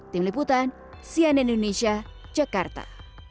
tim liputan cnn indonesia jakarta